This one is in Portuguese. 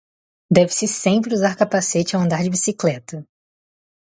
Deve-se sempre usar capacete ao andar de bicicleta.